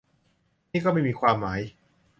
นี่ก็ไม่มีความหมาย